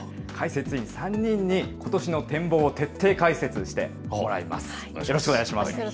解説委員３人に、ことしの展望を徹底解説してもらいます。